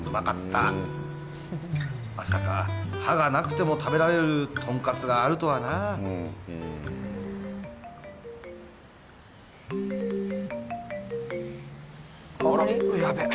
たまさか歯がなくても食べられるとんかつがあるとはなヤベッ